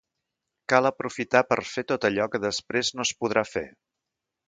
Cal aprofitar per fer tot allò que després no es podrà fer.